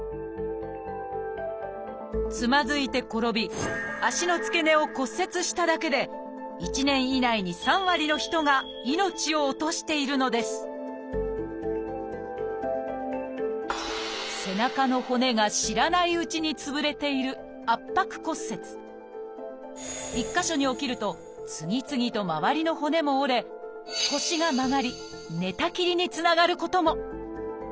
つまずいて転び足の付け根を骨折しただけで１年以内に３割の人が命を落としているのです背中の骨が知らないうちにつぶれている一か所に起きると次々と周りの骨も折れ腰が曲がり寝たきりにつながることも。